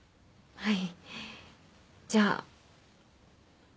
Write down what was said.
はい。